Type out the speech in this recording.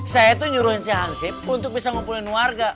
saya tuh nyuruhin si hansip untuk bisa ngumpulin warga